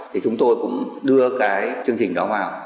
thì chúng tôi cũng đưa cái chương trình đó vào